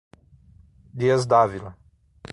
Dias d'Ávila